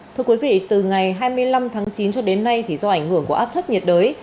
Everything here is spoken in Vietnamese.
thưa quý vị từ ngày hai mươi năm tháng chín cho đến nay thì do ảnh hưởng của áp thấp nhiệt đới